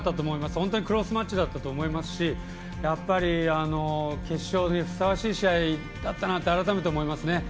本当にクロスマッチだったと思いますし決勝にふさわしい試合だったと改めて思いますね。